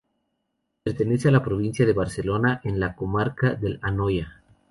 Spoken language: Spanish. Perteneciente a la provincia de Barcelona, en la comarca del Anoia.